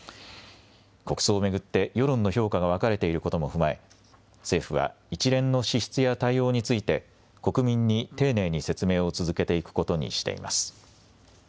国葬を巡って世論の評価が分かれていることも踏まえ、政府は一連の支出や対応について、国民に丁寧に説明を続けていくことにしています。